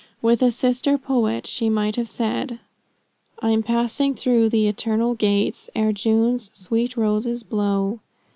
With a sister poet she might have said "I'm passing through the eternal gates, Ere June's sweet roses blow."